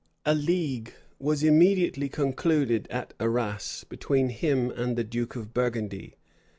A league was immediately concluded at Arras between him and the duke of Burgundy.